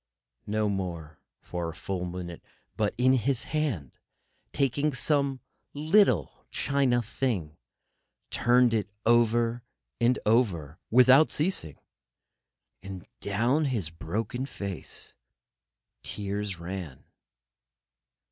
No more for a full minute; but his hand, taking some little china thing, turned it over and over without ceasing, and down his broken face tears ran.